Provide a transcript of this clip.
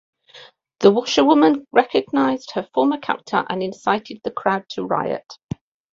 The washerwoman recognized her former captor and incited the crowd to riot.